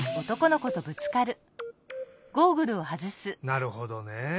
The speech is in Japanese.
なるほどね。